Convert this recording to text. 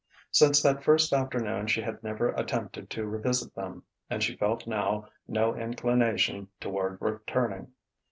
Since that first afternoon she had never attempted to revisit them, and she felt now no inclination toward returning.